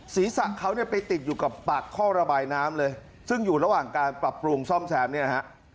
ศีรษะเขาเนี่ยไปติดอยู่กับปากท่อระบายน้ำเลยซึ่งอยู่ระหว่างการปรับปรุงซ่อมแซมเนี่ยฮะ